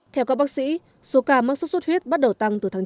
theo các bác sĩ số ca mắc sốt xuất huyết bắt đầu tăng từ tháng chín